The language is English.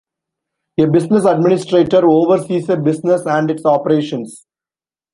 A business administrator oversees a business and its operations.